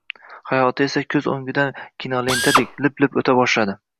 Hayoti esa koʻz oʻngidan kinolentadek, lip-lip oʻta boshladi